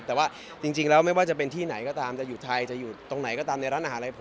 แต่ว่าจริงแล้วไม่ว่าจะเป็นที่ไหนก็ตามจะอยู่ไทยจะอยู่ตรงไหนก็ตามในร้านอาหารอะไรผม